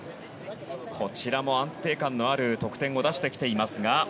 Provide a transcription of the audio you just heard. こちらも安定感のある得点を出してきていますが。